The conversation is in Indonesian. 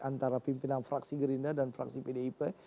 antara pimpinan fraksi gerindra dan fraksi pdip